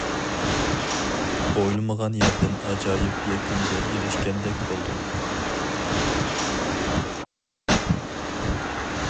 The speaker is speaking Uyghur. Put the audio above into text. ئويلىمىغان يەردىن ئاجايىپ يەكۈنگە ئېرىشكەندەك بولدۇم.